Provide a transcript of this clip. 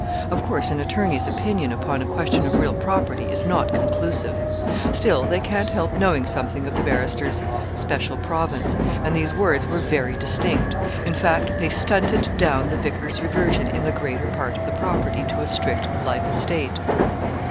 Of course an attorney's opinion upon a question of real property is not conclusive. Still they can't help knowing something of the barrister's special province; and these words were very distinct in fact, they stunted down the vicar's reversion in the greater part of the property to a strict life estate.